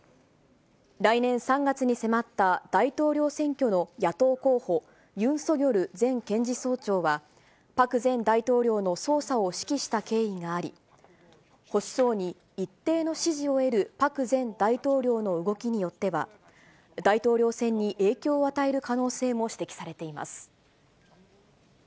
来年３月に迫った大統領選挙の野党候補、ユン・ソギョル前検事総長は、パク前大統領の捜査を指揮した経緯があり、保守層に一定の支持を得るパク前大統領の動きによっては、大統領選に影響を与える可能性も指摘されています。